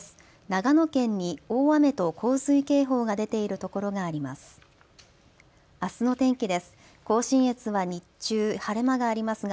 長野県に大雨と洪水警報が出ている所があります。